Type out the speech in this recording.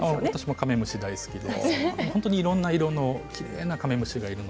カメムシ大好きでいろんな色のきれいなカメムシがいます。